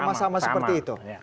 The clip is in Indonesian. sama sama seperti itu